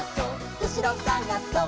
うしろさがそっ！」